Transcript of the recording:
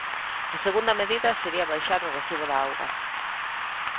A segunda medida sería baixar o recibo da auga.